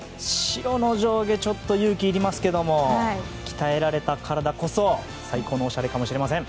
白の上下ちょっと勇気いりますけども鍛えられた体こそ最高のおしゃれかもしれません。